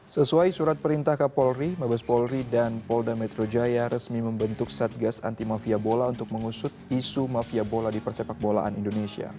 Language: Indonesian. sesuai surat perintah kapolri mabes polri dan polda metro jaya resmi membentuk satgas anti mafia bola untuk mengusut isu mafia bola di persepak bolaan indonesia